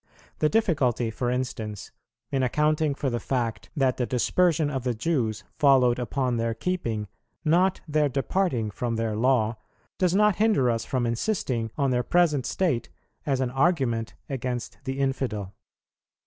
The difficulty, for instance, in accounting for the fact that the dispersion of the Jews followed upon their keeping, not their departing from their Law, does not hinder us from insisting on their present state as an argument against the infidel.